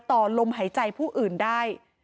ต่อลมหายใจผู้อื่นได้